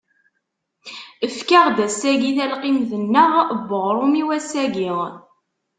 Efk-aɣ-d ass-agi talqimt-nneɣ n uɣrum i wass-agi.